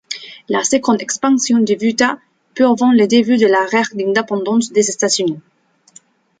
La seconde expansion débuta peu avant le début de la guerre d'indépendance des États-Unis.